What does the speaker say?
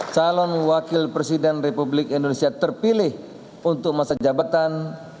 calon wakil presiden republik indonesia terpilih untuk masa jabatan